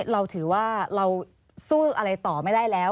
เราถือว่าเราสู้อะไรต่อไม่ได้แล้ว